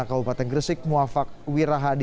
kabupaten gresik muafak wirahadi